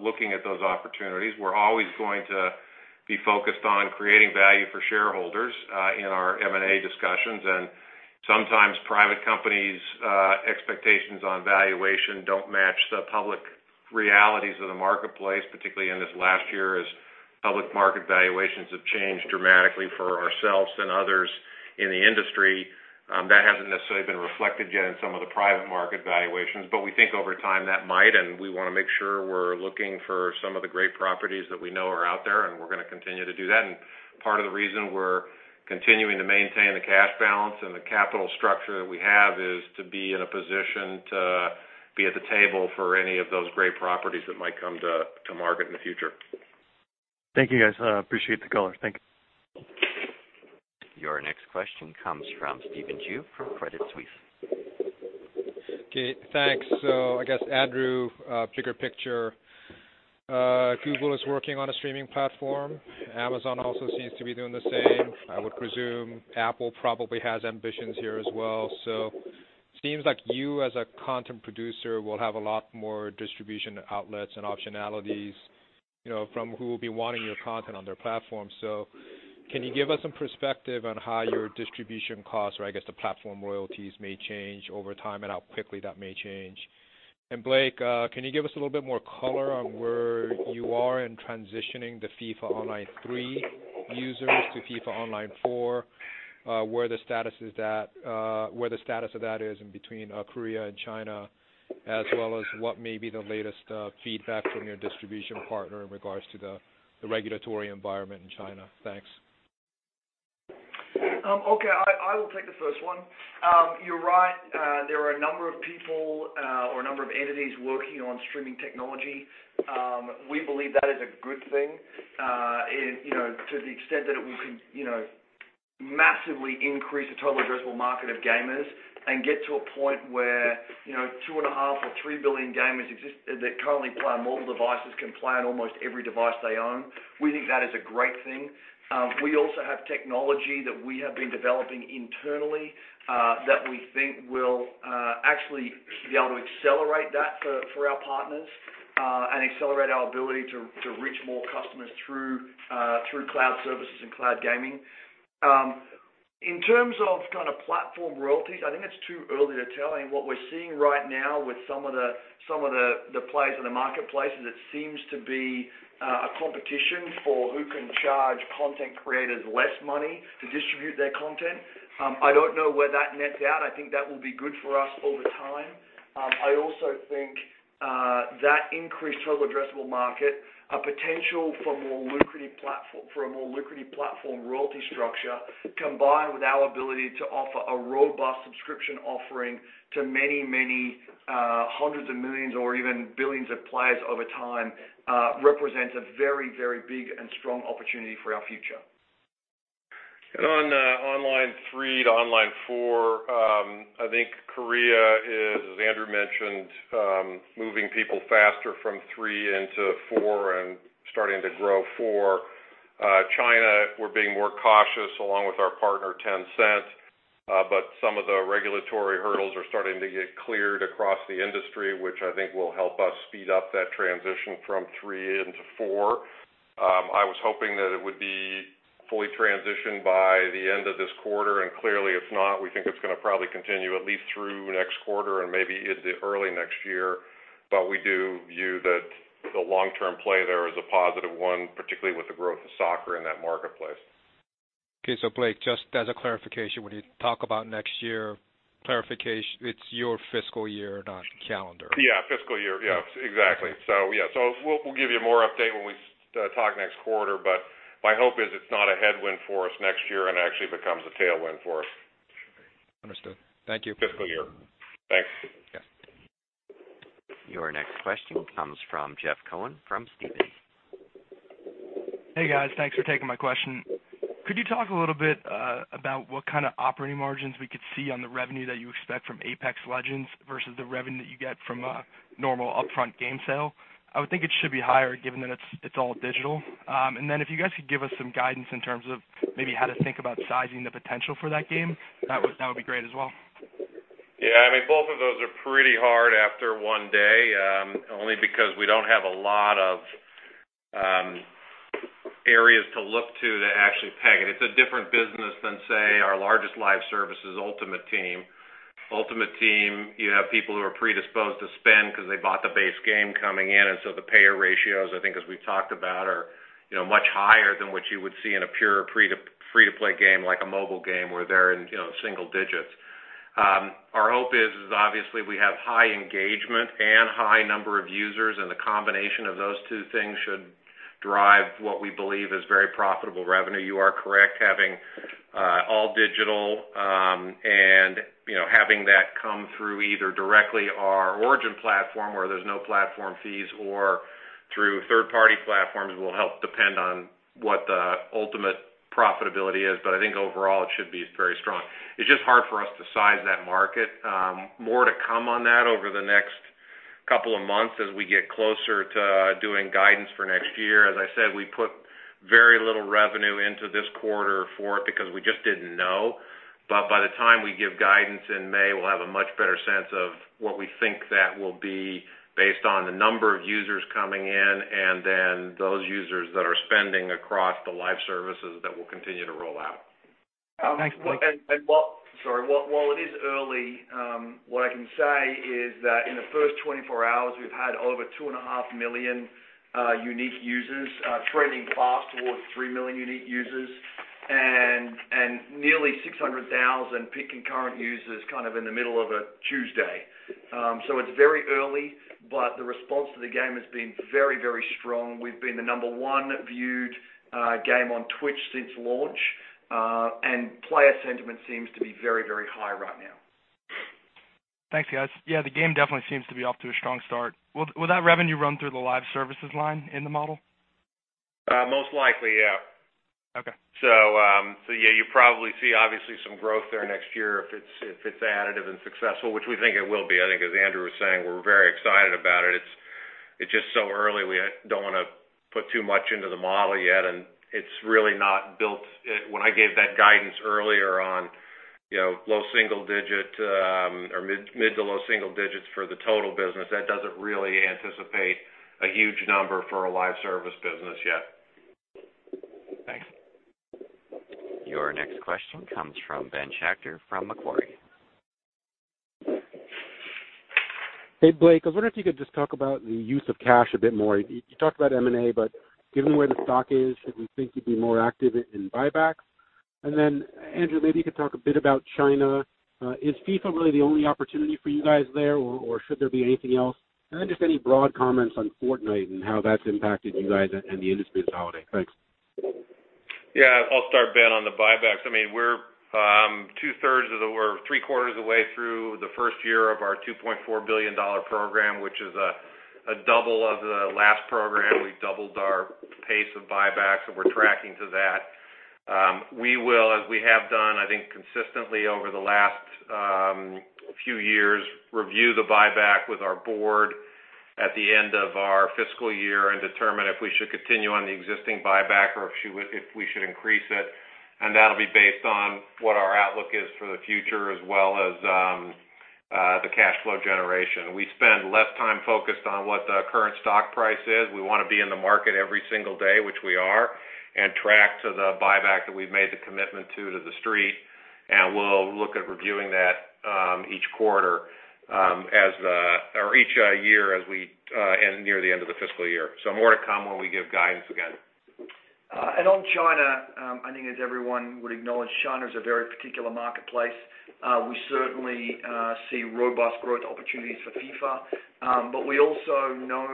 looking at those opportunities. We're always going to be focused on creating value for shareholders in our M&A discussions. Sometimes private companies' expectations on valuation don't match the public realities of the marketplace, particularly in this last year as public market valuations have changed dramatically for ourselves and others in the industry. That hasn't necessarily been reflected yet in some of the private market valuations, but we think over time that might, and we want to make sure we're looking for some of the great properties that we know are out there, and we're going to continue to do that. Part of the reason we're continuing to maintain the cash balance and the capital structure that we have is to be in a position to be at the table for any of those great properties that might come to market in the future. Thank you guys. Appreciate the color. Thank you. Your next question comes from Stephen Ju from Credit Suisse. Okay, thanks. I guess Andrew, bigger picture. Google is working on a streaming platform. Amazon also seems to be doing the same. I would presume Apple probably has ambitions here as well. Seems like you as a content producer will have a lot more distribution outlets and optionalities from who will be wanting your content on their platform. Can you give us some perspective on how your distribution costs or I guess the platform royalties may change over time and how quickly that may change? Blake, can you give us a little bit more color on where you are in transitioning the FIFA Online 3 users to FIFA Online 4, where the status of that is in between Korea and China, as well as what may be the latest feedback from your distribution partner in regards to the regulatory environment in China? Thanks. Okay. I will take the first one. You're right. There are a number of people or a number of entities working on streaming technology. We believe that is a good thing to the extent that it will massively increase the total addressable market of gamers and get to a point where 2.5 billion or 3 billion gamers that currently play on mobile devices can play on almost every device they own. We think that is a great thing. We also have technology that we have been developing internally that we think will actually be able to accelerate that for our partners and accelerate our ability to reach more customers through cloud services and cloud gaming. In terms of platform royalties, I think it's too early to tell. I mean, what we're seeing right now with some of the players in the marketplace is it seems to be a competition for who can charge content creators less money to distribute their content. I don't know where that nets out. I think that will be good for us over time. I also think that increased total addressable market, a potential for a more lucrative platform royalty structure, combined with our ability to offer a robust subscription offering to many hundreds of millions or even billions of players over time represents a very big and strong opportunity for our future. On Online 3 to Online 4, I think Korea is, as Andrew mentioned, moving people faster from FIFA Online 3 into FIFA Online 4 and starting to grow FIFA Online 4. China, we're being more cautious along with our partner, Tencent. Some of the regulatory hurdles are starting to get cleared across the industry, which I think will help us speed up that transition from FIFA Online 3 into FIFA Online 4. I was hoping that it would be fully transitioned by the end of this quarter, and clearly it's not. We think it's going to probably continue at least through next quarter and maybe into early next year. We do view that the long-term play there is a positive one, particularly with the growth of soccer in that marketplace. Okay. Blake, just as a clarification, when you talk about next year, clarification, it's your fiscal year, not calendar? Yeah. Fiscal year. Yeah, exactly. We'll give you more update when we talk next quarter, but my hope is it's not a headwind for us next year and actually becomes a tailwind for us. Understood. Thank you. Fiscal year. Thanks. Yes. Your next question comes from Jeff Cohen from Stephens. Hey, guys. Thanks for taking my question. Could you talk a little bit about what kind of operating margins we could see on the revenue that you expect from Apex Legends versus the revenue that you get from a normal upfront game sale? I would think it should be higher given that it's all digital. Then if you guys could give us some guidance in terms of maybe how to think about sizing the potential for that game, that would be great as well. Yeah, both of those are pretty hard after one day, only because we don't have a lot of areas to look to to actually peg it. It's a different business than, say, our largest live service is Ultimate Team. Ultimate Team, you have people who are predisposed to spend because they bought the base game coming in. The payer ratios, I think as we've talked about, are much higher than what you would see in a pure free-to-play game like a mobile game, where they're in single digits. Our hope is obviously we have high engagement and high number of users, the combination of those two things should drive what we believe is very profitable revenue. You are correct, having all digital, having that come through either directly our Origin platform, where there's no platform fees, or through third-party platforms will help depend on what the ultimate profitability is. I think overall, it should be very strong. It's just hard for us to size that market. More to come on that over the next couple of months as we get closer to doing guidance for next year. As I said, we put very little revenue into this quarter for it because we just didn't know. By the time we give guidance in May, we'll have a much better sense of what we think that will be based on the number of users coming in and then those users that are spending across the live services that we'll continue to roll out. Thanks, Blake. While it is early, what I can say is that in the first 24 hours, we've had over 2.5 million unique users, trending fast towards 3 million unique users, and nearly 600,000 peak concurrent users kind of in the middle of a Tuesday. It's very early, but the response to the game has been very, very strong. We've been the number one viewed game on Twitch since launch. Player sentiment seems to be very, very high right now. Thanks, guys. Yeah, the game definitely seems to be off to a strong start. Will that revenue run through the live services line in the model? Most likely, yeah. Okay. Yeah, you probably see obviously some growth there next year if it's additive and successful, which we think it will be. I think, as Andrew was saying, we're very excited about it. It's just so early. We don't want to put too much into the model yet, and it's really not built. When I gave that guidance earlier on low single digit or mid to low single digits for the total business, that doesn't really anticipate a huge number for a live service business yet. Thanks. Your next question comes from Ben Schachter from Macquarie. Hey, Blake. I wonder if you could just talk about the use of cash a bit more. You talked about M&A, but given where the stock is, should we think you'd be more active in buybacks? Andrew, maybe you could talk a bit about China. Is FIFA really the only opportunity for you guys there, or should there be anything else? Just any broad comments on Fortnite and how that's impacted you guys and the industry this holiday. Thanks. I'll start, Ben, on the buybacks. We're 2/3 of the way, 3/4 of the way through the first year of our $2.4 billion program, which is a double of the last program. We doubled our pace of buybacks, and we're tracking to that. We will, as we have done, I think, consistently over the last few years, review the buyback with our board at the end of our fiscal year and determine if we should continue on the existing buyback or if we should increase it. That'll be based on what our outlook is for the future, as well as the cash flow generation. We spend less time focused on what the current stock price is. We want to be in the market every single day, which we are, and track to the buyback that we've made the commitment to the Street, and we'll look at reviewing that each quarter or each year as we near the end of the fiscal year. More to come when we give guidance again. On China, I think as everyone would acknowledge, China is a very particular marketplace. We certainly see robust growth opportunities for FIFA. But we also know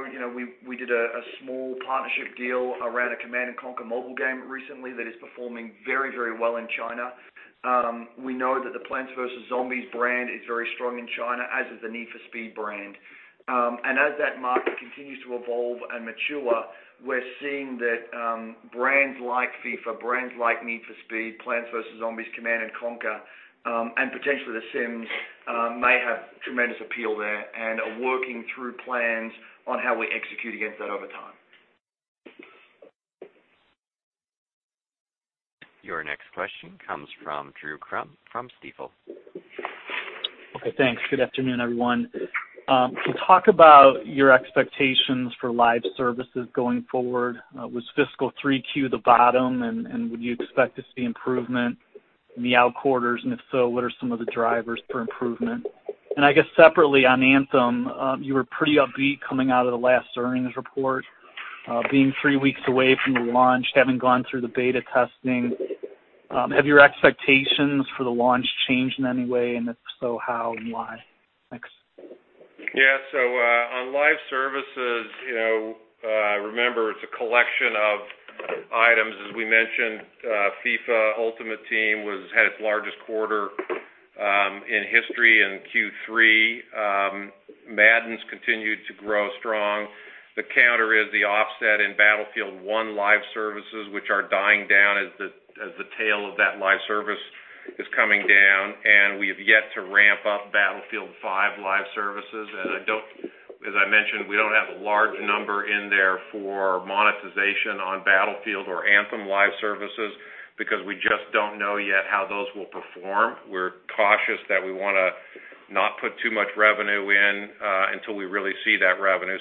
we did a small partnership deal around a Command & Conquer mobile game recently that is performing very, very well in China. We know that the Plants vs. Zombies brand is very strong in China, as is the Need for Speed brand. As that market continues to evolve and mature, we're seeing that brands like FIFA, brands like Need for Speed, Plants vs. Zombies, Command & Conquer, and potentially The Sims, may have tremendous appeal there and are working through plans on how we execute against that over time. Your next question comes from Drew Crum from Stifel. Okay, thanks. Good afternoon, everyone. To talk about your expectations for live services going forward, was fiscal 3Q the bottom, and would you expect to see improvement in the out quarters, and if so, what are some of the drivers for improvement? I guess separately on Anthem, you were pretty upbeat coming out of the last earnings report. Being three weeks away from the launch, having gone through the beta testing, have your expectations for the launch changed in any way? And if so, how and why? Thanks. Yeah. On live services, remember it's a collection of items. As we mentioned, FIFA Ultimate Team had its largest quarter in history in Q3. Madden's continued to grow strong. The counter is the offset in Battlefield 1 live services, which are dying down as the tail of that live service is coming down, and we've yet to ramp up Battlefield V live services. As I mentioned, we don't have a large number in there for monetization on Battlefield or Anthem live services because we just don't know yet how those will perform. We're cautious that we want to not put too much revenue in until we really see that revenue.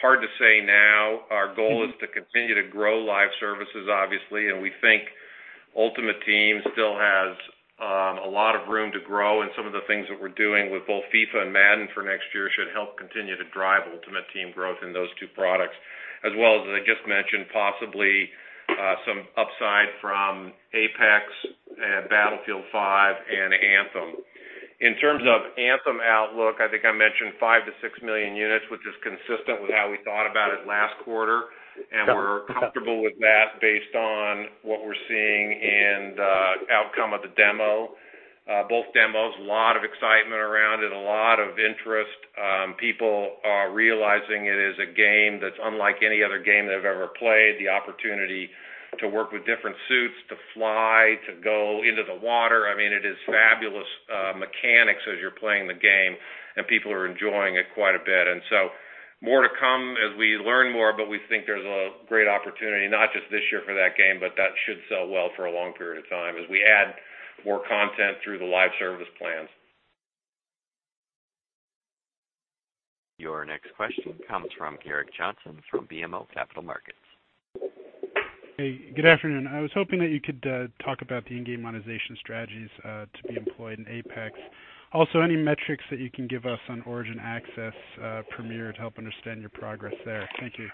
Hard to say now. Our goal is to continue to grow live services, obviously, and we think Ultimate Team still has a lot of room to grow and some of the things that we're doing with both FIFA and Madden for next year should help continue to drive Ultimate Team growth in those two products. As well as I just mentioned, possibly some upside from Apex and Battlefield V and Anthem. In terms of Anthem outlook, I think I mentioned five to six million units, which is consistent with how we thought about it last quarter, and we're comfortable with that based on what we're seeing in the outcome of both demos. A lot of excitement around it, a lot of interest. People are realizing it is a game that's unlike any other game they've ever played. The opportunity to work with different suits, to fly, to go into the water. It is fabulous mechanics as you're playing the game, and people are enjoying it quite a bit. More to come as we learn more, we think there's a great opportunity, not just this year for that game, that should sell well for a long period of time as we add more content through the live service plans. Your next question comes from Gerrick Johnson from BMO Capital Markets. Hey, good afternoon. I was hoping that you could talk about the in-game monetization strategies to be employed in Apex. Also any metrics that you can give us on Origin Access Premier to help understand your progress there. Thank you.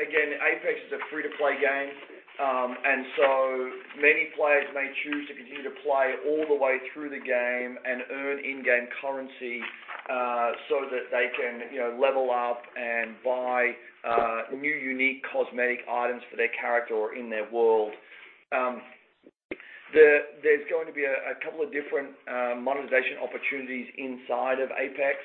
Again, Apex is a free-to-play game. Many players may choose to continue to play all the way through the game and earn in-game currency, so that they can level up and buy new unique cosmetic items for their character or in their world. There's going to be a couple of different monetization opportunities inside of Apex.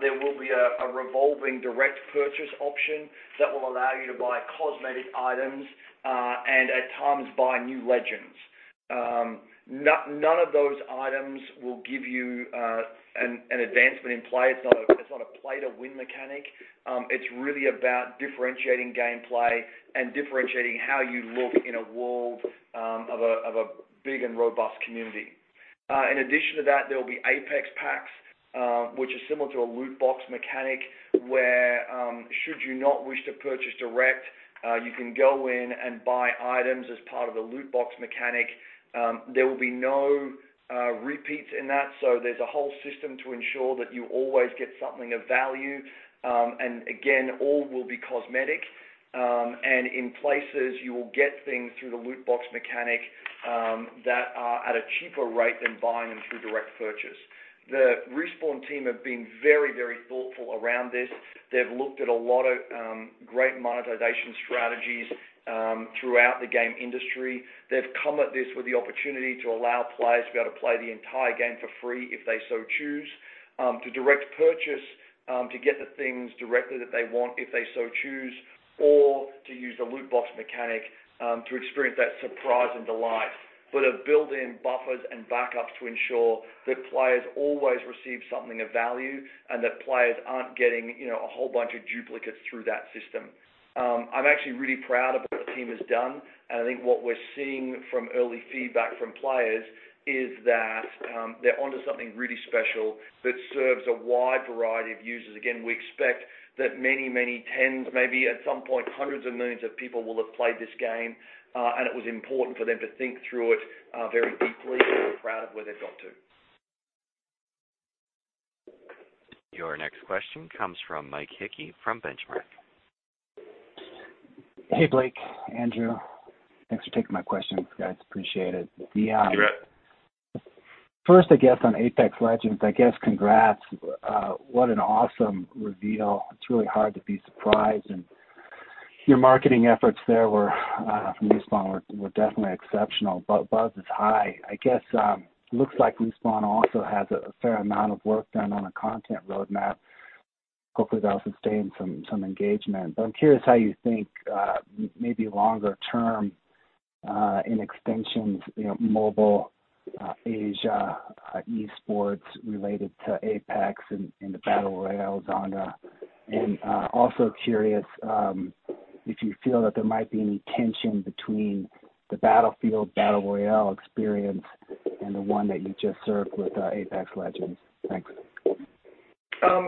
There will be a revolving direct purchase option that will allow you to buy cosmetic items, and at times, buy new legends. None of those items will give you an advancement in play. It's not a play-to-win mechanic. It's really about differentiating gameplay and differentiating how you look in a world of a big and robust community. In addition to that, there'll be Apex Packs, which is similar to a loot box mechanic, where should you not wish to purchase direct, you can go in and buy items as part of the loot box mechanic. There's a whole system to ensure that you always get something of value. Again, all will be cosmetic. In places, you will get things through the loot box mechanic that are at a cheaper rate than buying them through direct purchase. The Respawn team have been very thoughtful around this. They've looked at a lot of great monetization strategies throughout the game industry. They've come at this with the opportunity to allow players to be able to play the entire game for free if they so choose. To direct purchase to get the things directly that they want, if they so choose, or to use the loot box mechanic to experience that surprise and delight. Have built in buffers and backups to ensure that players always receive something of value and that players aren't getting a whole bunch of duplicates through that system. I'm actually really proud of what the team has done, and I think what we're seeing from early feedback from players is that they're onto something really special that serves a wide variety of users. Again, we expect that many 10s, maybe at some point 100s of millions of people will have played this game. It was important for them to think through it very deeply. We're proud of where they've got to. Your next question comes from Mike Hickey from Benchmark. Hey, Blake, Andrew. Thanks for taking my question, guys, appreciate it. You bet. First, on Apex Legends, congrats. What an awesome reveal. It's really hard to be surprised. Your marketing efforts there from Respawn were definitely exceptional. Buzz is high. Looks like Respawn also has a fair amount of work done on a content roadmap. Hopefully that'll sustain some engagement. I'm curious how you think, maybe longer term, in extensions, mobile, Asia, esports related to Apex and the battle royales on there. Also curious if you feel that there might be any tension between the Battlefield battle royale experience and the one that you just served with Apex Legends. Thanks.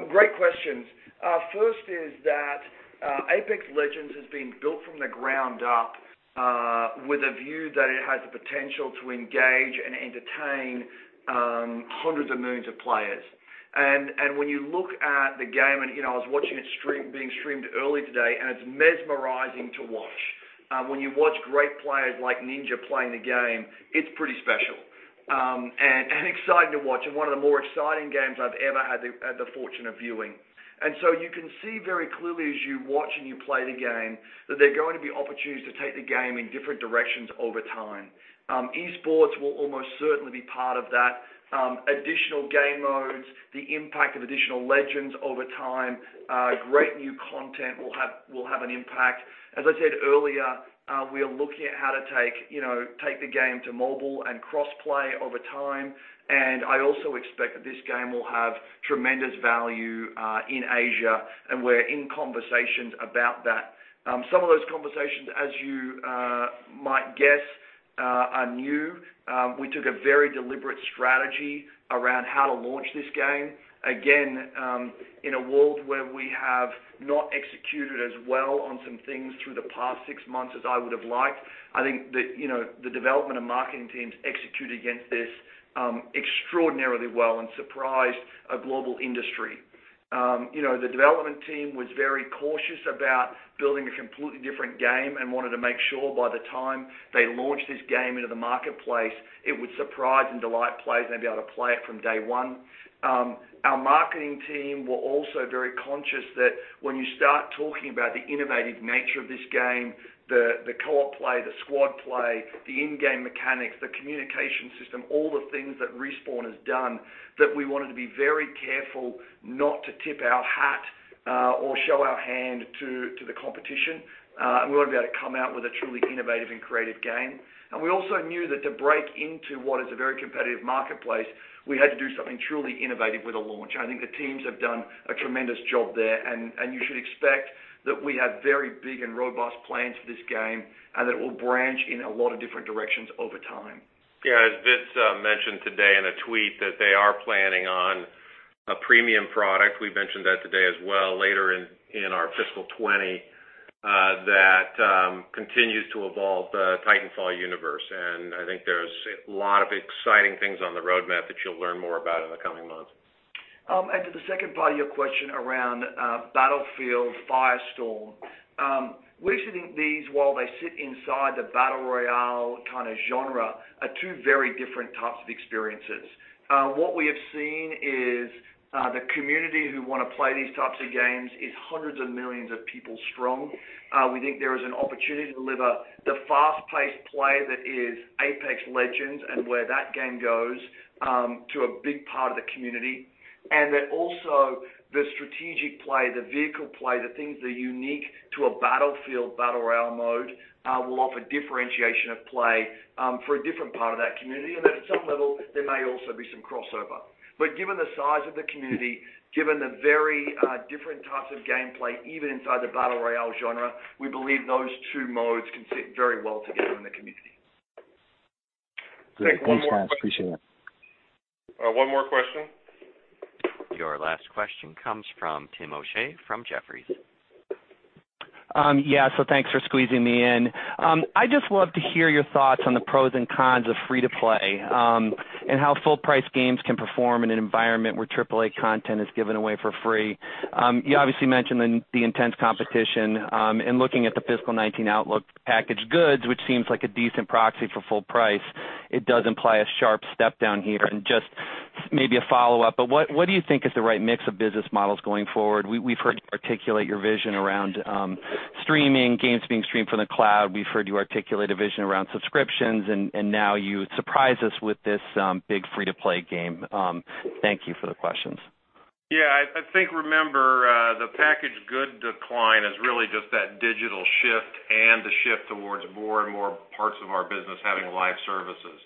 Great questions. First is that Apex Legends has been built from the ground up with a view that it has the potential to engage and entertain hundreds of millions of players. When you look at the game, I was watching it being streamed early today, and it's mesmerizing to watch. When you watch great players like Ninja playing the game, it's pretty special and exciting to watch, and one of the more exciting games I've ever had the fortune of viewing. You can see very clearly as you watch and you play the game that there are going to be opportunities to take the game in different directions over time. Esports will almost certainly be part of that. Additional game modes, the impact of additional legends over time, great new content will have an impact. As I said earlier, we are looking at how to take the game to mobile and cross-play over time. I also expect that this game will have tremendous value in Asia, and we're in conversations about that. Some of those conversations, as you might guess, are new. We took a very deliberate strategy around how to launch this game. Again, in a world where we have not executed as well on some things through the past six months as I would've liked. I think the development and marketing teams executed against this extraordinarily well and surprised a global industry. The development team was very cautious about building a completely different game and wanted to make sure by the time they launched this game into the marketplace, it would surprise and delight players and they'd be able to play it from day one. Our marketing team were also very conscious that when you start talking about the innovative nature of this game, the co-op play, the squad play, the in-game mechanics, the communication system, all the things that Respawn has done, that we wanted to be very careful not to tip our hat or show our hand to the competition. We wanted to be able to come out with a truly innovative and creative game. We also knew that to break into what is a very competitive marketplace, we had to do something truly innovative with a launch. I think the teams have done a tremendous job there, and you should expect that we have very big and robust plans for this game, and that it will branch in a lot of different directions over time. Yeah. As Vince mentioned today in a tweet that they are planning on a premium product, we mentioned that today as well later in our fiscal 2020, that continues to evolve the Titanfall universe. I think there's a lot of exciting things on the roadmap that you'll learn more about in the coming months. To the second part of your question around Battlefield Firestorm. We actually think these, while they sit inside the battle royale kind of genre, are two very different types of experiences. What we have seen is the community who want to play these types of games is hundreds of millions of people strong. We think there is an opportunity to deliver the fast-paced play that is Apex Legends and where that game goes to a big part of the community. That also the strategic play, the vehicle play, the things that are unique to a Battlefield battle royale mode will offer differentiation of play for a different part of that community. That at some level there may also be some crossover. Given the size of the community, given the very different types of gameplay, even inside the battle royale genre, we believe those two modes can sit very well together in the community. Great. Thanks, guys. Appreciate it. One more question. Your last question comes from Tim O'Shea from Jefferies. Yeah. Thanks for squeezing me in. I'd just love to hear your thoughts on the pros and cons of free-to-play, and how full-price games can perform in an environment where AAA content is given away for free. You obviously mentioned the intense competition. In looking at the fiscal 2019 outlook packaged goods, which seems like a decent proxy for full price, it does imply a sharp step down here. Just maybe a follow-up, what do you think is the right mix of business models going forward? We've heard you articulate your vision around streaming, games being streamed from the cloud. We've heard you articulate a vision around subscriptions, and now you surprise us with this big free-to-play game. Thank you for the questions. Yeah. I think, remember, the packaged good decline is really just that digital shift and the shift towards more and more parts of our business having live services.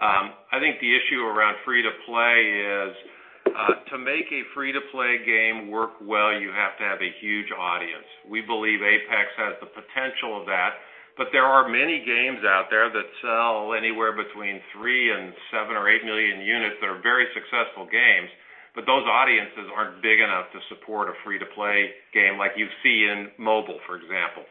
I think the issue around free-to-play is to make a free-to-play game work well, you have to have a huge audience. We believe Apex has the potential of that, but there are many games out there that sell anywhere between three and seven or eight million units that are very successful games, but those audiences aren't big enough to support a free-to-play game like you see in mobile, for example.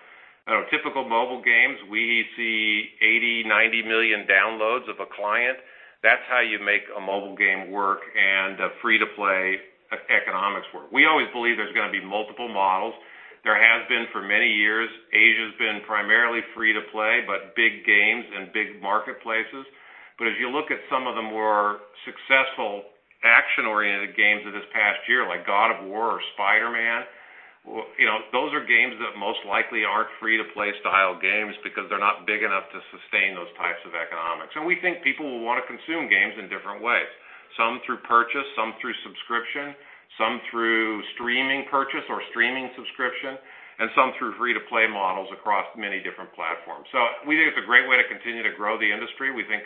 Typical mobile games, we see 80, 90 million downloads of a client. That's how you make a mobile game work and free-to-play economics work. We always believe there's going to be multiple models. There has been for many years. Asia's been primarily free-to-play, but big games and big marketplaces. As you look at some of the more successful action-oriented games of this past year, like God of War or Spider-Man, those are games that most likely aren't free-to-play style games because they're not big enough to sustain those types of economics. We think people will want to consume games in different ways, some through purchase, some through subscription, some through streaming purchase or streaming subscription, and some through free-to-play models across many different platforms. We think it's a great way to continue to grow the industry. We think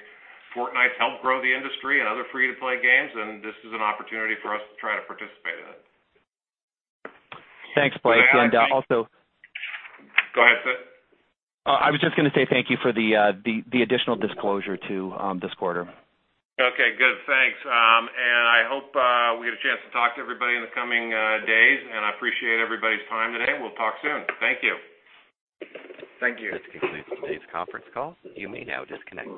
Fortnite's helped grow the industry and other free-to-play games, this is an opportunity for us to try to participate in it. Thanks, Blake. Also- Go ahead, Tim. Oh, I was just going to say thank you for the additional disclosure, too, this quarter. Okay, good. Thanks. I hope we get a chance to talk to everybody in the coming days. I appreciate everybody's time today. We'll talk soon. Thank you. Thank you. This concludes today's conference call. You may now disconnect.